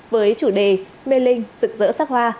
với chủ đề mê linh rực rỡ sắc hoa